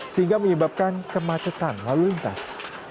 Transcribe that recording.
sehingga menyebabkan kemacetan lalu lintas